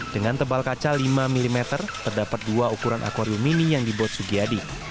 dengan tebal kaca lima mm terdapat dua ukuran akwarium mini yang dibuat sugiyadi